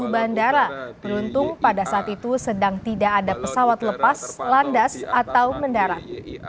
bandara beruntung pada saat itu sedang tidak ada pesawat lepas landas atau mendarat